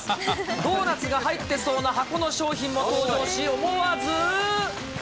ドーナツが入ってそうな箱の商品も登場し、思わず。